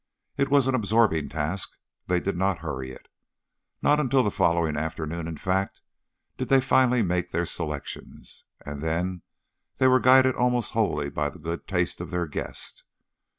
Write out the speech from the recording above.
It was an absorbing task, they did not hurry it. Not until the following afternoon, in fact, did they finally make their selections, and then they were guided almost wholly by the good taste of their guest.